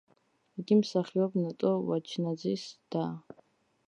იყო მსახიობ ნატო ვაჩნაძის და.